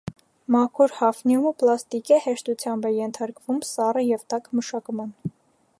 Մաքուր հաֆնիումը պլաստիկ է, հեշտությամբ է ենթարկվում սառը և տաք մշակման։